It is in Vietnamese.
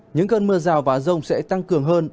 những cơn mưa rào và rông sẽ tăng cường hơn